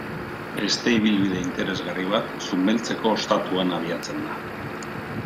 Beste ibilbide interesgarri bat, Zunbeltzeko ostatuan abiatzen da.